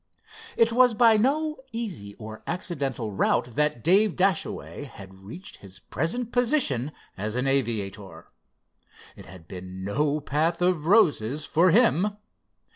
It was by no easy or accidental route that Dave Dashaway had reached his present position as an aviator. It had been no path of roses for him.